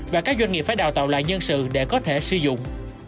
và các doanh nghiệp phải đào tạo lại nhân sự để có thể sử dụng